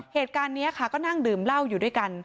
เหตุการณ์นี้ค่ะก็นั่งดื่มเหล้าอยู่ด้วยกัน